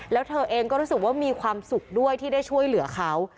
แล้วเธอเองก็รู้สึกว่ามีความสุขด้วยที่ได้ช่วยเหลือเขา